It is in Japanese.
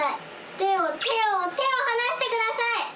手を、手を、手を離してください！